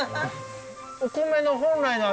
お米の本来の味。